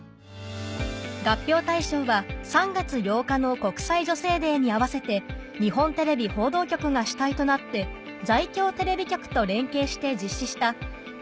合評対象は３月８日の国際女性デーに合わせて日本テレビ報道局が主体となって在京テレビ局と連携して実施した「＃